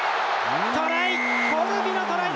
トライ！